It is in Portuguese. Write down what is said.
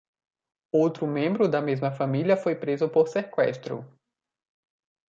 Outro membro da mesma família foi preso por seqüestro.